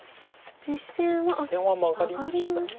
実戦はマガりましたね。